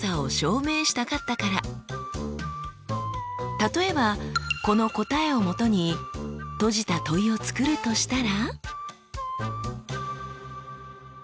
例えばこの答えをもとに閉じた問いを作るとしたら？